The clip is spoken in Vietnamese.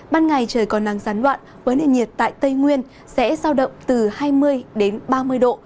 ban ngày trời còn nắng rắn loạn với nền nhiệt tại tây nguyên sẽ giao động từ hai mươi ba mươi độ